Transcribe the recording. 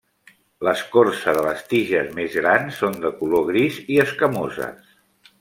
L'escorça de les tiges més grans són de color gris i escamoses.